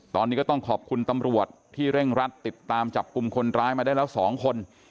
ตอนนี้ก็ต้องขอบคุณตำรวจที่เร่งรัดติดตามจับกลุ่มคนร้ายมาได้แล้ว๒คน